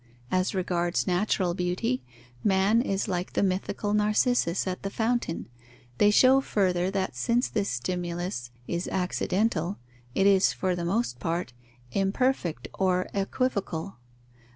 As regards natural beauty, man is like the mythical Narcissus at the fountain. They show further that since this stimulus is accidental, it is, for the most part, imperfect or equivocal.